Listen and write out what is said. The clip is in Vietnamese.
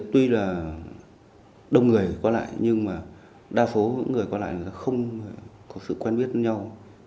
tuy là đông người có lại nhưng mà đa số những người có lại là không có sự quen biết nhau